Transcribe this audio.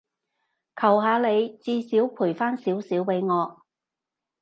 求下你，至少賠返少少畀我